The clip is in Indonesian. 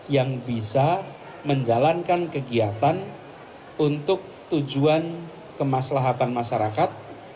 yang bisa menjalankan kegiatan untuk tujuan kemaslahatan masyarakat